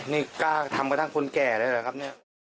นี่กล้าทำกระทั่งคนแก่เลยเหรอครับเนี่ย